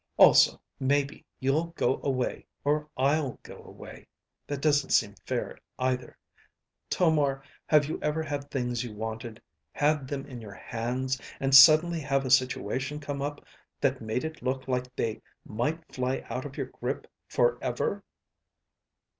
Also, maybe you'll go away, or I'll go away. That doesn't seem fair either. Tomar, have you ever had things you wanted, had them in your hands, and suddenly have a situation come up that made it look like they might fly out of your grip forever?"